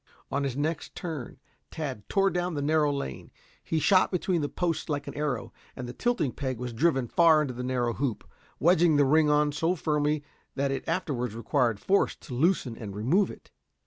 On his next turn, Tad tore down the narrow lane; he shot between the posts like an arrow, and the tilting peg was driven far into the narrow hoop, wedging the ring on so firmly that it afterwards required force to loosen and remove it.